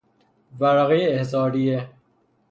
ورقهٔ احضاریه